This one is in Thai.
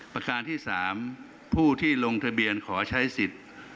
ประการที่๓ผู้ที่ลงทะเบียนขอใช้สิทธิ์